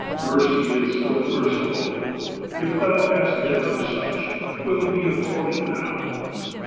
Mercy is for the merciful! if thou Hast been of such, 'twill be accorded now.